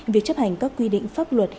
việc chấp hành các quy định pháp luật